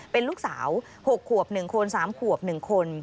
เป็นลูกสาว๖ขวบ๑คน๓ขวบ๑คน